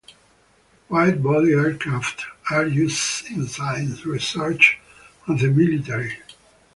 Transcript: Widebody aircraft are used in science, research, and the military.